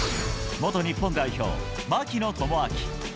元日本代表、槙野智章。